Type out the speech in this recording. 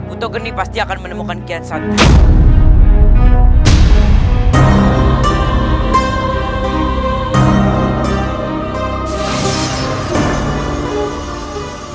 uto geni pasti akan menemukan kian santang